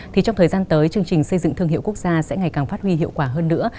thì trong thời gian tới chương trình xây dựng thương hiệu quốc gia sẽ ngày càng phát huy hiệu quả hơn nữa